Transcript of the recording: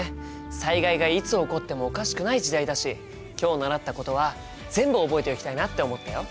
災害がいつ起こってもおかしくない時代だし今日習ったことは全部覚えておきたいなと思ったよ。